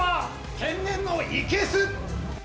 天然の生けす。